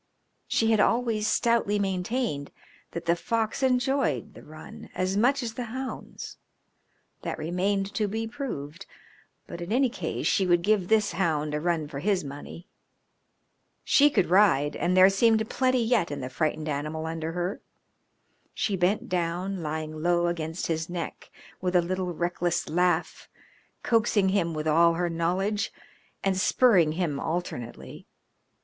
She had always stoutly maintained that the fox enjoyed the run as much as the hounds; that remained to be proved, but, in any case, she would give this hound a run for his money. She could ride, and there seemed plenty yet in the frightened animal under her. She bent down, lying low against his neck with a little, reckless laugh, coaxing him with all her knowledge and spurring him alternately.